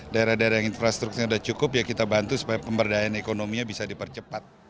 daerah daerah yang infrastrukturnya sudah cukup ya kita bantu supaya pemberdayaan ekonominya bisa dipercepat